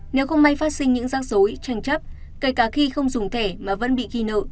nếu không may phát sinh những rác dối tranh chấp kể cả khi không dùng thẻ mà vẫn bị ghi nợ